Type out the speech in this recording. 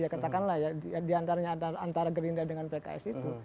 ya katakanlah ya di antara gerindra dengan pks itu